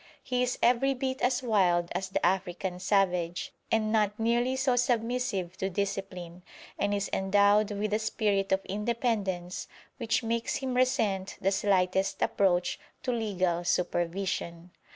He is every bit as wild as the African savage, and not nearly so submissive to discipline, and is endowed with a spirit of independence which makes him resent the slightest approach to legal supervision.